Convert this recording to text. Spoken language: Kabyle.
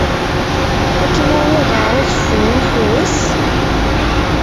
Ad kem-awiɣ ɣer Uẓeffun ad nḥewweṣ?